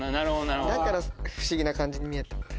だから不思議な感じに見えたんだ。